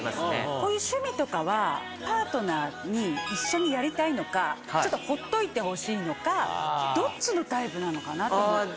こういう趣味とかはパートナーに一緒にやりたいのかちょっとほっといてほしいのかどっちのタイプなのかなと思って。